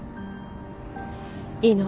いいの。